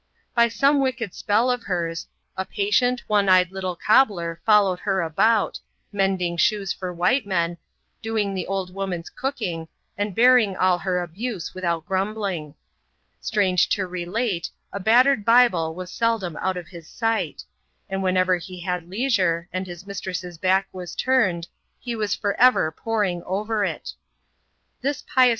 By some wicked spell of hers, a patient, one eyed little eobbler followed her about, mending shoes for white men, doing the old woman's cooking, and bearing all her abuse without grum bling. Strange to relate, a battered Bible was seldom out of his aght; and whenever he had leisure, and his mistress's back was tmned, be wbs for ever poting oves \X^ 'IX^oi^^qtis^ ^^tatjooAj ►.